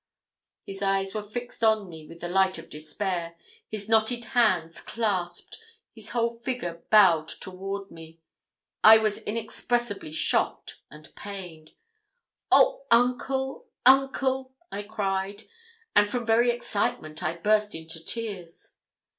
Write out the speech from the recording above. His eyes were fixed on me with the light of despair, his knotted hands clasped, his whole figure bowed toward me. I was inexpressibly shocked and pained. 'Oh, uncle! uncle!' I cried, and from very excitement I burst into tears.